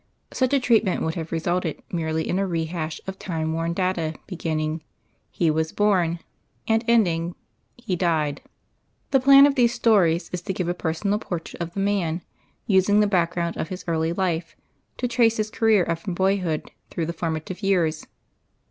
Such a treatment would have resulted merely in a rehash of time worn data beginning "He was born," and ending "He died." The plan of these stories is to give a personal portrait of the man, using the background of his early life to trace his career up from boyhood through the formative years.